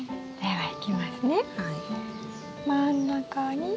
はい。